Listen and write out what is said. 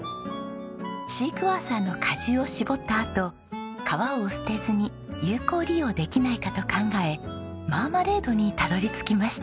シークワーサーの果汁を搾ったあと皮を捨てずに有効利用できないかと考えマーマレードにたどり着きました。